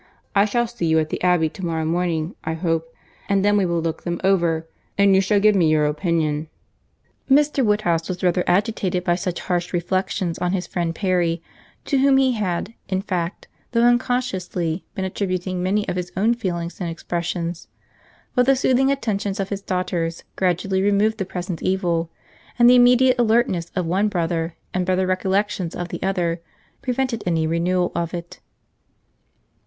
I shall see you at the Abbey to morrow morning I hope, and then we will look them over, and you shall give me your opinion." Mr. Woodhouse was rather agitated by such harsh reflections on his friend Perry, to whom he had, in fact, though unconsciously, been attributing many of his own feelings and expressions;—but the soothing attentions of his daughters gradually removed the present evil, and the immediate alertness of one brother, and better recollections of the other, prevented any renewal of it.